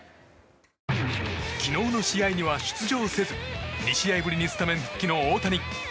昨日の試合には出場せず２試合ぶりにスタメン復帰の大谷。